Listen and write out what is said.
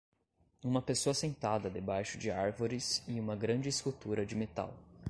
Uma pessoa sentada debaixo de árvores e uma grande escultura de metal.